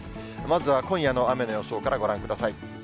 まずは今夜の雨の予想からご覧ください。